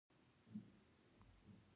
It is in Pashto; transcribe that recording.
د نغلو بند د کابل باغونه خړوبوي.